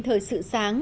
thời sự sáng